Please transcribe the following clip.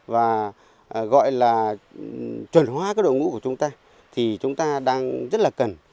và gọi là chuẩn hóa cái đội ngũ của chúng ta thì chúng ta đang rất là cần